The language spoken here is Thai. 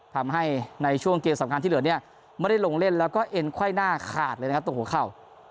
ทำให้ในช่วงเกมสำคัญที่เหลือเนี่ยไม่ได้ลงเล่นแล้วก็เอ็นไขว้หน้าขาดเลยนะครับตรงหัวเข่า